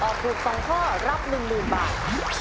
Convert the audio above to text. ถูก๒ข้อรับ๑๐๐๐บาท